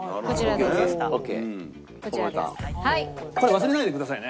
忘れないでくださいね。